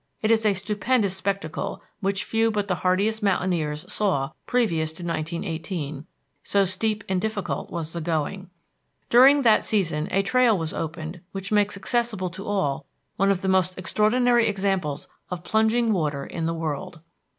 It is a stupendous spectacle which few but the hardiest mountaineers saw previous to 1918, so steep and difficult was the going. During that season a trail was opened which makes accessible to all one of the most extraordinary examples of plunging water in the world.